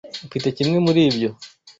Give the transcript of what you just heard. Mfite kimwe muri ibyo.